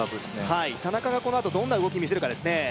はい田中がこのあとどんな動き見せるかですね